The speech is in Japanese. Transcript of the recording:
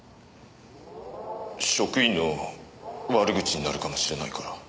職員の悪口になるかもしれないから。